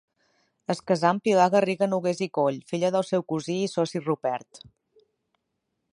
Es casà amb Pilar Garriga-Nogués i Coll, filla del seu cosí i soci Rupert.